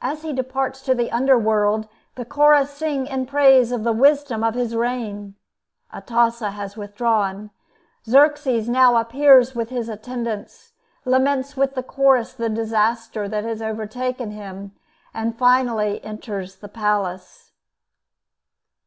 As he departs to the underworld, the Chorus sing in praise of the wisdom of his reign. Atossa has withdrawn. Xerxes now appears with attendants, laments with the Chorus the disaster that has overtaken him, and finally enters the palace.